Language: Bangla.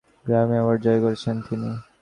গ্র্যামি অ্যাওয়ার্ড জয় করেছেন তিনি।